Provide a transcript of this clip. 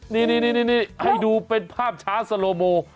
นี่ให้ดูเป็นภาพช้าสโลโม